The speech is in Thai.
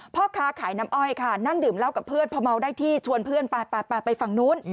พ่อค้าขายน้ำอ้อยค่ะนั่งดื่มเหล้ากับเพื่อนพอเมาได้ที่ชวนเพื่อนไปไปฝั่งนู้น